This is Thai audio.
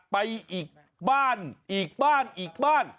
ไปอีกบ้านอีกบ้านอีกบ้าน